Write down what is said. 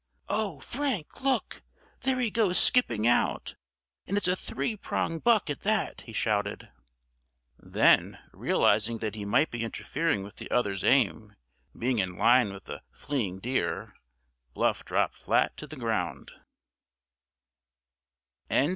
"Oh! Frank! look, there he goes skipping out; and it's a three pronged buck, at that!" he shouted. Then, realizing that he might be interfering with the other's aim, being in line with the fleeing deer, Bluff dropped flat to the ground.